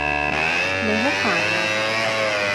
你好煩呀